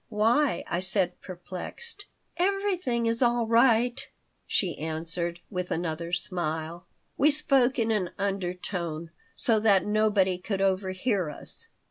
"Why?" I said, perplexed "Everything is all right," she answered, with another smile We spoke in an undertone, so that nobody could overhear us.